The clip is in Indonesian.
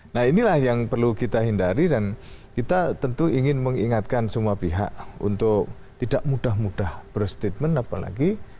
nah inilah yang perlu kita hindari dan kita tentu ingin mengingatkan semua pihak untuk tidak mudah mudah berstatement apalagi